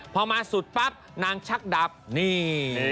พอมาสุดปั๊บนางชักดับนี่